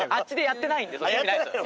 やってないんすよ。